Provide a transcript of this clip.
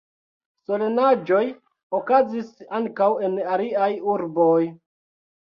Solenaĵoj okazis ankaŭ en aliaj urboj.